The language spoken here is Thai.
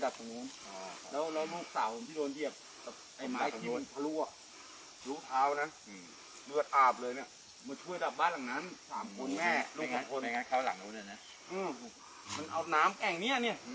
แล้วใครแจ้งผู้ใหญ่เข้าไป